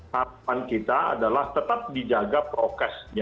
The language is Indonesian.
harapan kita adalah tetap dijaga prokes